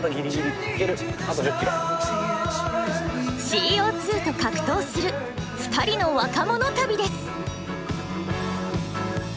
ＣＯと格闘する２人の若者旅です。